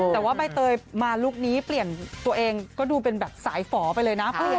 แต่ว่าใบเตยมาลุคนี้เปลี่ยนตัวเองก็ดูเป็นแบบสายฝอไปเลยนะ